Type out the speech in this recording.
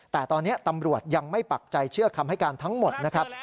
แต่ตอนนี้ตำรวจยังไม่ปักใจเชื่อคำให้การทั้งหมดนะครับ